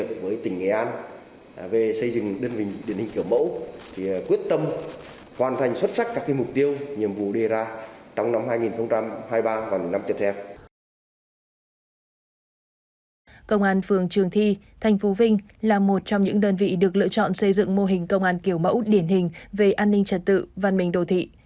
công an phường trường thi thành phố vinh là một trong những đơn vị được lựa chọn xây dựng mô hình công an kiểu mẫu điển hình về an ninh trật tự văn minh đồ thị